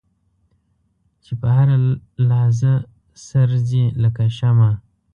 چې په هره لحظه سر ځي لکه شمع.